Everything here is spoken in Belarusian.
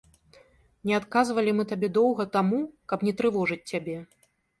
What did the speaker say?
Не адказвалі мы табе доўга таму, каб не трывожыць цябе.